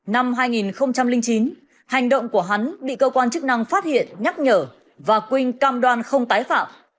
năm hai nghìn chín hành động của hắn bị cơ quan chức năng phát hiện nhắc nhở và quynh cam đoan không tái phạm